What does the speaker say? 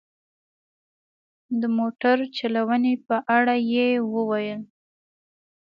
د موټر چلونې په اړه یې وویل.